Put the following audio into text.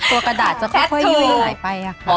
ตัวกระดาษจะค่อยยุ่ยหายไปค่ะ